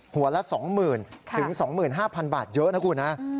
หัวละ๒๐๐๐๐ถึง๒๕๐๐๐บาทเยอะนะครับ